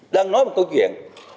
đang nói một câu chuyện